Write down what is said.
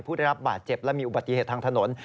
ผู้ได้รับบาดเจ็บและมีอุบัติเหตุทางถนน